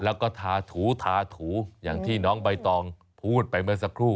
แล้วก็ทาถูทาถูอย่างที่น้องใบตองพูดไปเมื่อสักครู่